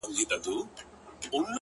ستا د خنداوو ټنگ ټکور- په سړي خوله لگوي-